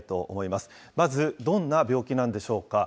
まずどんな病気なんでしょうか。